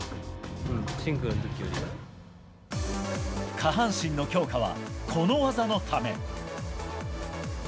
下半身の強化は、この技のため。